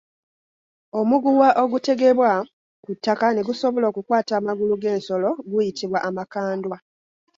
Omuguwa ogutegebwa ku ttaka ne gusobola okukwata amagulu g’ensolo guyitibwa Amakandwa.